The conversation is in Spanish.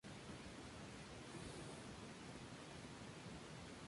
Sus composiciones son delicadas y elegantes, manifestando gran sensación de vida.